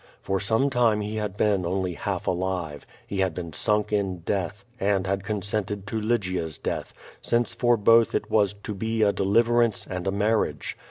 For some time he had been only lialf alive; he had been sunk in death, and had consented to Lygia's death, since for both it was to be a deliverance and a marriage.